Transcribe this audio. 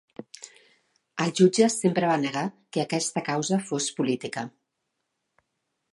El jutge sempre va negar que aquesta causa fos política.